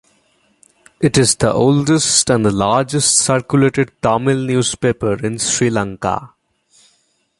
It is the oldest and the largest circulated Tamil Newspaper in Sri Lanka.